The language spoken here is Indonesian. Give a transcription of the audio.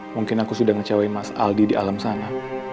mungkin aku sudah ngecewai mas aldi di alam sana